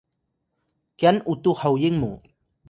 kyan utux hoyin mu